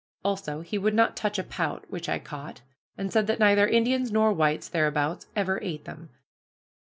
Also, he would not touch a pout, which I caught, and said that neither Indians nor whites thereabouts ever ate them.